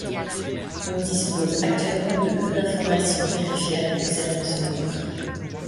On dispose actuellement de peu d'informations vérifiables concernant ce groupe.